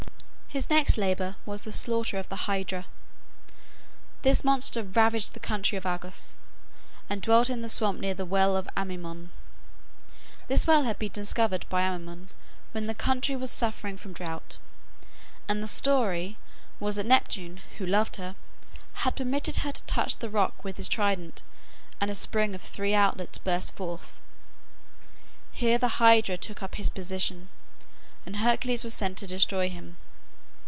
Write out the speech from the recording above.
His next labor was the slaughter of the Hydra. This monster ravaged the country of Argos, and dwelt in a swamp near the well of Amymone. This well had been discovered by Amymone when the country was suffering from drought, and the story was that Neptune, who loved her, had permitted her to touch the rock with his trident, and a spring of three outlets burst forth. Here the Hydra took up his position, and Hercules was sent to destroy him.